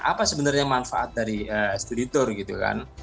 apa sebenarnya manfaat dari studi tour gitu kan